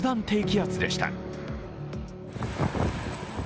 低気圧でした。